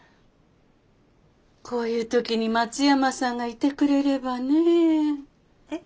こういう時に松山さんがいてくれればねえ。